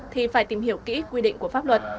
thì phải tìm hiểu kỹ quy định của pháp luật